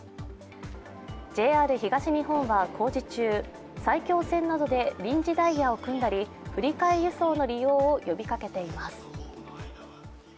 ＪＲ東日本は工事中、埼京線などで臨時ダイヤを組んだり振り替え輸送の利用を呼びかけています。